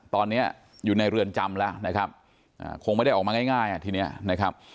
ตอนนี้อยู่ในเรือนจำแล้วนะครับคงไม่ได้ออกมาง่ายอ่ะทีนี้นะครับ